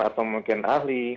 atau mungkin ahli